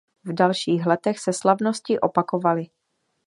V dalších letech se slavnosti opakovaly.